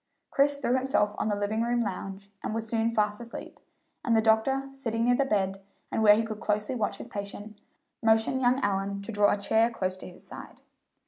Chris threw himself on the living room lounge, and was soon fast asleep, and the doctor, sitting near the bed, and where he could closely watch his patient, motioned young Allyn to draw a chair close to his side.